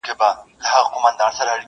تنها نوم نه چي خصلت مي د انسان سي.